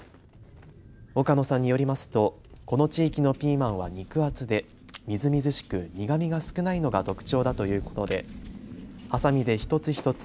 岡野さんによりますとこの地域のピーマンは肉厚でみずみずしく苦みが少ないのが特徴だということではさみで一つ一つ